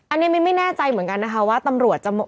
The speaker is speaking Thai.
อันนี้มิ้นไม่แน่ใจเหมือนกันนะคะว่าตำรวจจะ